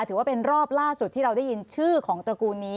ถือว่าเป็นรอบล่าสุดที่เราได้ยินชื่อของตระกูลนี้